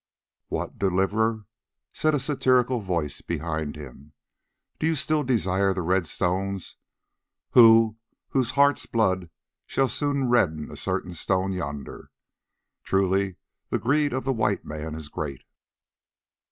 "What! Deliverer," said a satirical voice behind him, "do you still desire the red stones, you whose heart's blood shall soon redden a certain stone yonder? Truly the greed of the white man is great."